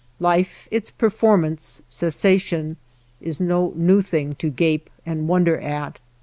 Life, its performance, cessation, is no new thing to gape and wonder at.